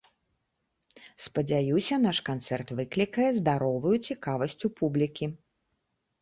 Спадзяюся, наш канцэрт выклікае здаровую цікавасць у публікі.